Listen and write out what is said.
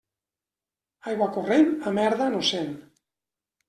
Aigua corrent a merda no sent.